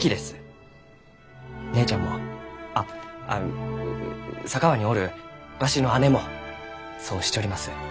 姉ちゃんもあっ佐川におるわしの姉もそうしちょります。